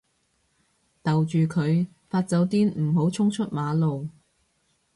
逗住佢發酒癲唔好衝出馬路